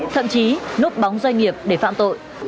thậm chí núp bóng doanh nghiệp để phạm tội